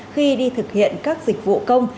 khi đi thực hiện các dịch vụ công